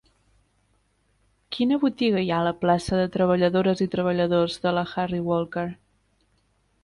Quina botiga hi ha a la plaça de Treballadores i Treballadors de la Harry Walker